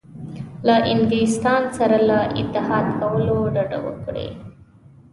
له انګلستان سره له اتحاد کولو ډډه وکړي.